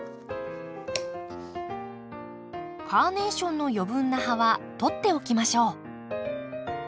カーネーションの余分な葉は取っておきましょう。